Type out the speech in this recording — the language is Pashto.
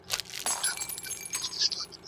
ځینې ډولونه غږونه د نورو پرتله ډېر منل شوي دي.